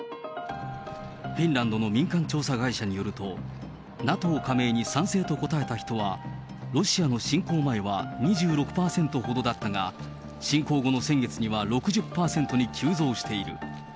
フィンランドの民間調査会社によると、ＮＡＴＯ加盟に賛成と答えた人は、ロシアの侵攻前は２６％ほどだったが、侵攻後の先月には６０％に急増している。